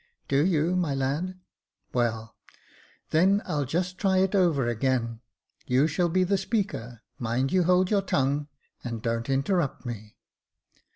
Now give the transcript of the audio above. " Do you, my lad ? well, then I'll just try it over again. You shall be the Speaker — mind you hold your tongue, and don't interrupt me."